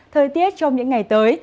thời tiết trong những ngày tới